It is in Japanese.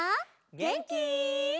げんき？